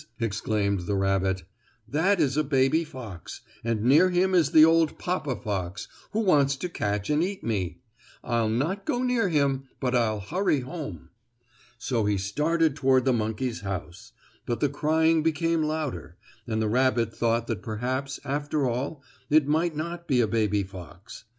exclaimed the rabbit. "That is a baby fox, and near him is the old papa fox, who wants to catch and eat me. I'll not go near him, but I'll hurry home." So he started toward the monkey's house, but the crying became louder, and the rabbit thought that perhaps, after all, it might not be a baby fox.